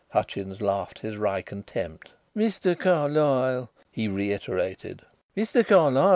Hutchins laughed his wry contempt. "Mr. Carlyle!" he reiterated; "Mr. Carlyle!